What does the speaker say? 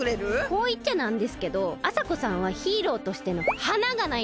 こういっちゃなんですけどあさこさんはヒーローとしての華がないんですよね。